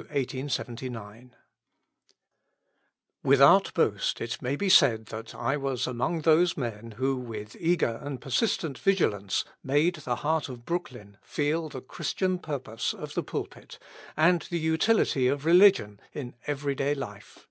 THE FIFTH MILESTONE 1877 1879 Without boast it may be said that I was among those men who with eager and persistent vigilance made the heart of Brooklyn feel the Christian purpose of the pulpit, and the utility of religion in everyday life.